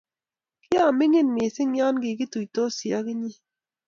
kioii minik misiing nyon kikitusiotii ak inyee